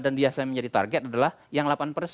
dan biasanya menjadi target adalah yang delapan